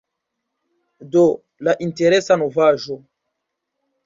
Do, la interesa novaĵo.